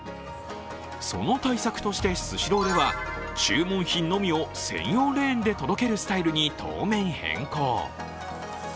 その対策として、スシローでは注文品のみを専用レーンで届けるスタイルに当面、変更。